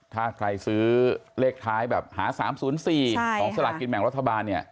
ถ้าใครซื้อเลขท้ายแบบหา๓๐๔ของสลากกินแบ่งรัฐบาลเนี่ย